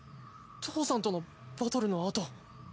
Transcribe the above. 父さんとのバトルのあと。